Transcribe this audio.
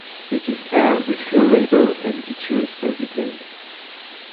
It is air refuelable and features a V-tail.